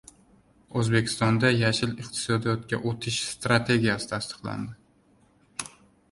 O‘zbekistonda «yashil» iqtisodiyotga o‘tish strategiyasi tasdiqlandi